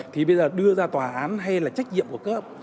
thì bây giờ đưa ra tòa án hay là trách nhiệm của cơ ấp